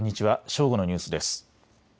正午のニュースです。